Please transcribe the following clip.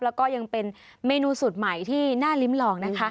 แล้วก็ยังเป็นเมนูสูตรใหม่ที่น่าลิ้มลองนะคะ